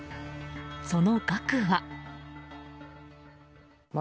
その額は。